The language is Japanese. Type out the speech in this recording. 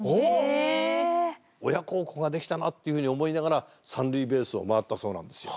親孝行ができたなっていうふうに思いながら三塁ベースを回ったそうなんですよ。